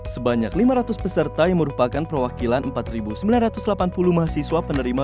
sebanyak lima ratus peserta yang merupakan perwakilan empat sembilan ratus delapan puluh mahasiswa penerima